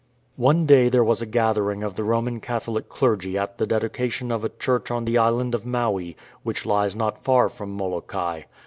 One day there was a gathering of the Roman Catholic clergy at the dedication of a church on the island of Maui, which lies not far from Molokai.